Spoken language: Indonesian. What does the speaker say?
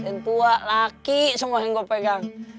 yang tua laki semua yang gue pegang